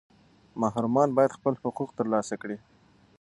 محرومان باید خپل حقوق ترلاسه کړي.